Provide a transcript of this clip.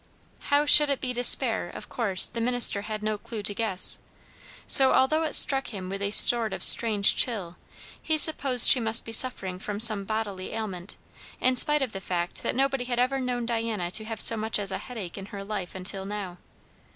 How it should be despair, of course, the minister had no clue to guess; so, although it struck him with a sort of strange chill, he supposed she must be suffering from some bodily ailment, in spite of the fact that nobody had ever known Diana to have so much as a headache in her life until now.